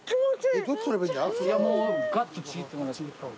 もうガッとちぎって。